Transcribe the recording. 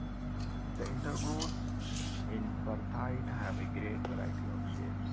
The intergrowths in perthite have a great variety of shapes.